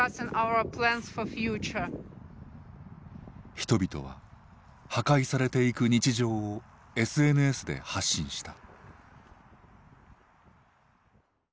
人々は破壊されていく日常をＳＮＳで発信した。